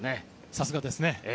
さすがですね。